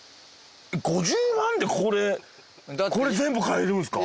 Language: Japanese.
５０万でこれこれ全部買えるんですか？